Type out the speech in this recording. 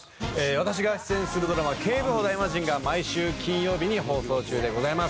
私が出演するドラマ『警部補ダイマジン』が毎週金曜日に放送中でございます。